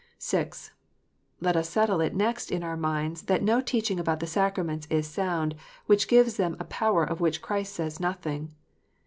(6) Let us settle it next in our minds that no teaching about the sacraments is sound which gives them a power of which Christ says nothing.